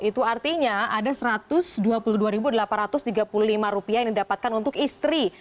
itu artinya ada rp satu ratus dua puluh dua delapan ratus tiga puluh lima yang didapatkan untuk istri